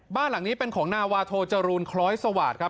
บ้านหลังนี้เป็นของนาวาโทจรูลคล้อยสวาสตร์ครับ